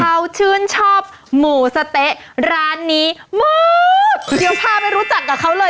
อืมเขาชื่นชอบหมูสะเตะร้านนี้เยียมพลาดก็ไม่รู้จักับเขาเลย